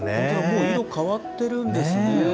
もう色変わってるんですね。